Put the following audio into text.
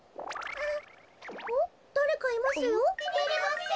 あっ！